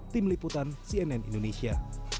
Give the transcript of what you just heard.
tim liputan cnn indonesia